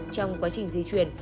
trong quá trình di chuyển